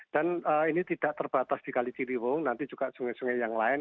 dan ini tidak terbatas di kalitiliwong nanti juga sungai sungai yang lain